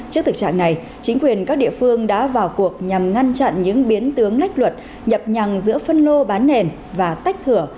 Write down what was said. trước thực trạng này chính quyền các địa phương đã vào cuộc nhằm ngăn chặn những biến tướng lách luật nhập nhằng giữa phân lô bán nền và tách thửa